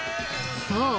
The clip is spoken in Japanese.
［そう。